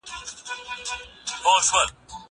زه پرون کتابتوننۍ سره وخت تېره کړی؟